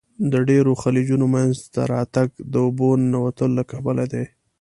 د ډیرو خلیجونو منځته راتګ د اوبو ننوتلو له کبله دی.